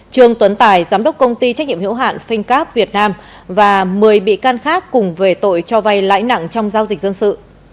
trương tuấn tài giám đốc công ty trách nhiệm hiệu hạn fincap việt nam và một mươi bị can khác cùng về tội cho vay lãi nặng trong giao dịch dân sự